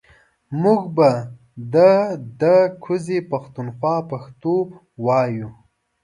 مونږ به ده ده کوزې پښتونخوا پښتو وايو